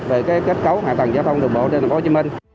về cái kết cấu hạ tầng giao thông đường bộ trên tp hcm